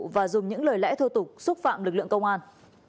và dùng những lời lẽ thô tục xúc phạm lực lượng công an